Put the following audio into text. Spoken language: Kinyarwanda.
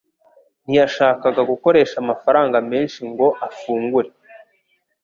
ntiyashakaga gukoresha amafaranga menshi ngo afungure.